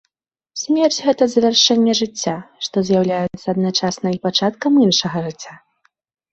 Смерць гэта завяршэнне жыцця, што з'яўляецца адначасна і пачаткам іншага жыцця.